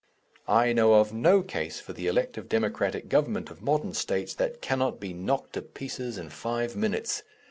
I know of no case for the elective Democratic government of modern States that cannot be knocked to pieces in five minutes.